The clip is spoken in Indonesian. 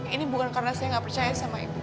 ini bukan karena saya nggak percaya sama ibu